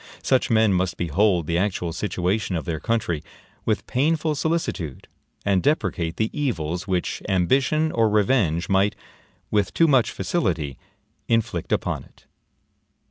Such men must behold the actual situation of their country with painful solicitude, and deprecate the evils which ambition or revenge might, with too much facility, inflict upon it.